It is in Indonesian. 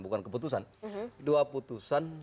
bukan keputusan dua putusan